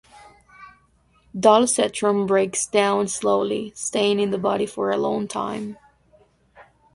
Dolasetron breaks down slowly, staying in the body for a long time.